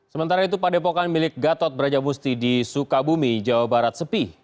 sementara itu padepokan milik gatot brajamusti di sukabumi jawa barat sepi